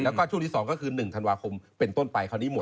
แล้วก็ช่วงที่๒ก็คือ๑ธันวาคมเป็นต้นไปคราวนี้หมด